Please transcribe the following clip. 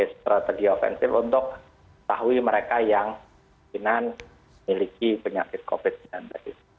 strategi ofensif untuk mengetahui mereka yang mungkin miliki penyakit covid sembilan belas